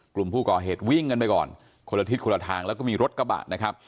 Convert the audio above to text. กลุ่มผู้ก่อเหตุวิ่งกันไปก่อนคนละทิศคนละทางแล้วก็มีรถกระบะนะครับ